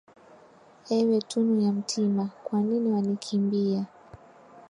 Ewe tunu ya mtima, kwa nini wanikimbia?